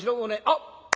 あっ！